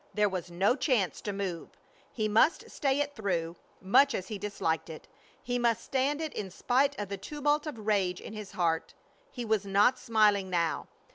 There was no chance to move. He must stay it through, much as he disliked it. He must stand it in spite of the tumult of rage in his heart. He was not smiling now.